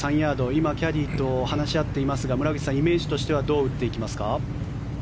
今、キャディーと話し合っていますが村口さん、イメージとしてはどう打っていきますか？